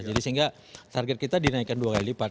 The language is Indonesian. jadi sehingga target kita dinaikkan dua kali lipat